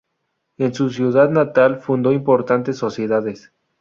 En su ciudad natal fundó importantes sociedades.